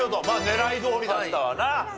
狙いどおりだったわな。